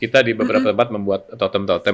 kita di beberapa tempat membuat totem totem